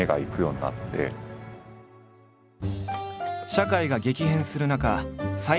社会が激変する中斎